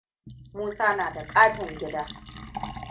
Musa na da katon gida.